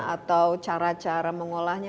atau cara cara mengolahnya